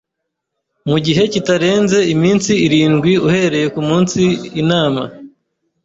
mu gihe kitarenze iminsi irindwi uhereye ku munsi inama